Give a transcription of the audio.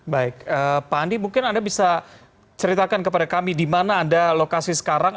baik pak andi mungkin anda bisa ceritakan kepada kami di mana anda lokasi sekarang